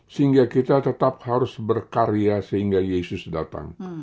sehingga kita tetap harus berkarya sehingga yesus datang